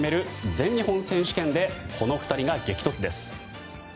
全日本選手権でこの２人が激突です。